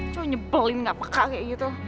coba nyebelin gak peka kayak gitu